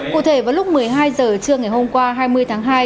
cụ thể vào lúc một mươi hai h trưa ngày hôm qua hai mươi tháng hai